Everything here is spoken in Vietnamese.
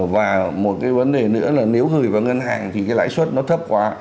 và một cái vấn đề nữa là nếu gửi vào ngân hàng thì cái lãi suất nó thấp quá